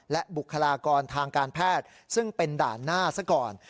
และบุคลากรทางการแพทย์ซึ่งเป็นด่านหน้าซะก่อน